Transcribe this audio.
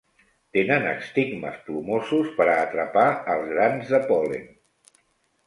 Tenen estigmes plomosos per a atrapar els grans de pol·len.